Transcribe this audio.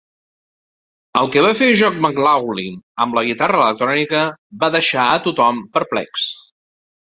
El que va fer John McLaughlin amb la guitarra electrònica va deixar a tothom perplex.